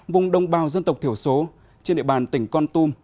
vùng đông bao dân tộc thiểu số trên địa bàn tỉnh con tum